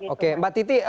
oke mbak titi